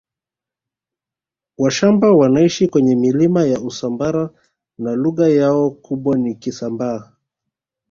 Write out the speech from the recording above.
Washambaa wanaishi kwenye milima ya Usambara na lugha yao kubwa ni Kisambaa